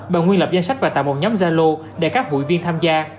bà nguyên lập danh sách và tạo một nhóm gia lô để các hội viên tham gia